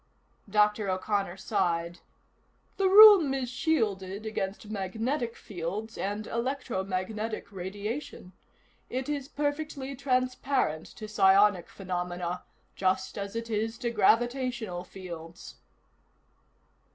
Dr. O'Connor sighed. "The room is shielded against magnetic fields and electro magnetic radiation. It is perfectly transparent to psionic phenomena, just as it is to gravitational fields."